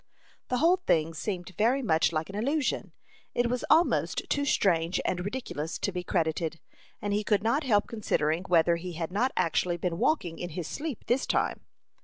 The whole thing seemed very much like an illusion. It was almost too strange and ridiculous to be credited, and he could not help considering whether he had not actually been walking in his sleep this time.